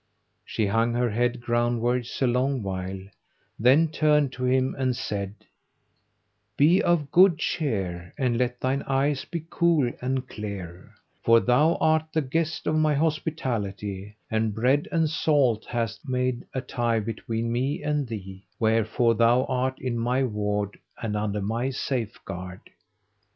She hung her head groundwards a long while, then turned to him and said, "Be of good cheer and let thine eyes be cool and clear;[FN#187] for thou art the guest of my hospitality, and bread and salt hath made a tie between me and thee; wherefore thou art in my ward and under my safeguard.